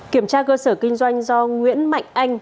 kiểm tra cơ sở kinh doanh do nguyễn mạnh anh